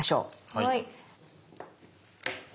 はい。